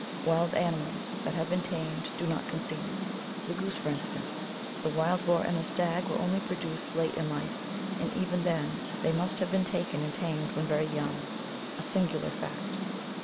Wild animals that have been tamed, do not conceive, the goose, for instance ; the wild boar and the stag will only produce late in life, and even then they must have been taken and tamed when very young; a singular fact.